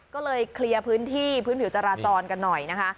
ก็เลยเคลียร์พื้นที่พื้นผิวจราจรกันหน่อยนะคะ